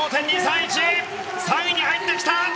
３位に入ってきた！